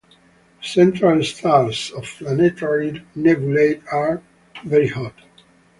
The central stars of planetary nebulae are very hot.